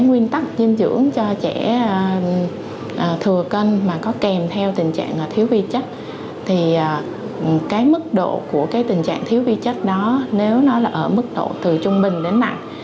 nguyên tắc dinh dưỡng cho trẻ thừa cân mà có kèm theo tình trạng thiếu vi chất thì cái mức độ của tình trạng thiếu vi chất đó nếu nó ở mức độ từ trung bình đến nặng